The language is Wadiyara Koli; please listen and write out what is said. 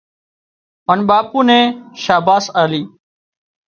هانَ ٻاپو نين شاباس آلي